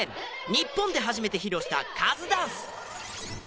日本で初めて披露したカズダンス。